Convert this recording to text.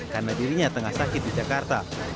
karena dirinya tengah sakit di jakarta